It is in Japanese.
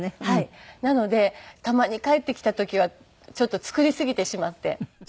なのでたまに帰ってきた時はちょっと作りすぎてしまって。